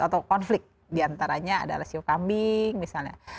atau konflik di antaranya adalah ceo kambing misalnya